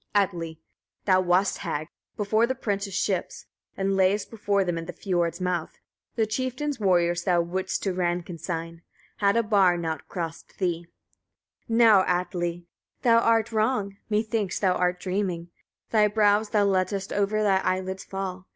Atli. 18. Thou wast, hag! before the prince's ships, and layest before them in the fiord's mouth. The chieftain's warriors thou wouldst to Ran consign, had a bar not crossed thee. Hrimgerd. 19. Now, Atli! thou art wrong, methinks thou art dreaming; thy brows thou lettest over thy eyelids fall.